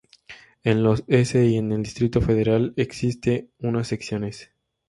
En los s y en el Distrito Federal existe unas "Secciones".